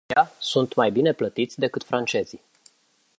Aceștia sunt mai bine plătiți decât francezii.